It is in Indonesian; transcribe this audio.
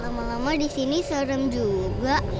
lama lama di sini serem juga